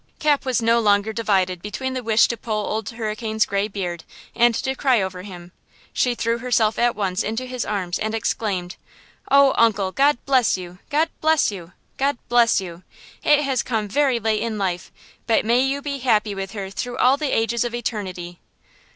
Cap was no longer divided between the wish to pull Old Hurricane's gray beard and to cry over him. She threw herself at once into his arms and exclaimed: "Oh, uncle! God bless you! God bless you! God bless you! It has come very late in life, but may you be happy with her through all the ages of eternity!"